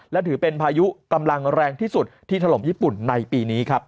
และถือเป็นพายุกำลังแรงที่สุดที่ถล่มญี่ปุ่นในปีนี้ครับ